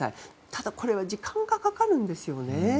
ただ、これは時間がかかるんですよね。